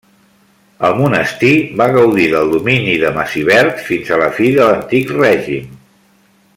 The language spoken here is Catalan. El monestir va gaudir del domini de Massivert fins a la fi de l'antic règim.